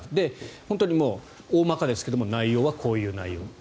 本当に大まかですが内容はこういう内容。